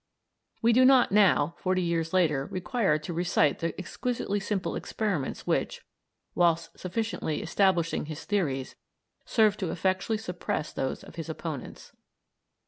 We do not now, forty years later, require to recite the exquisitely simple experiments which, whilst sufficiently establishing his theories, served to effectually suppress those of his opponents.